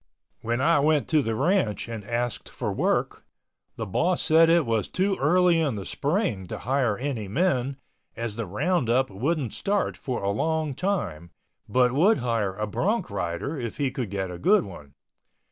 When I went to the ranch and asked for work, the boss said it was too early in the spring to hire any men as the roundup wouldn't start for a long time, but would hire a bronc rider if he could get a good one.